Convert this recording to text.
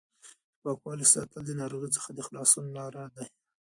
د پاکوالي ساتل د ناروغۍ څخه د خلاصون لار ده.